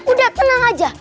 udah tenang aja